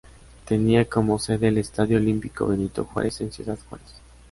Tenía como sede el Estadio Olímpico Benito Juárez, en Ciudad Juárez.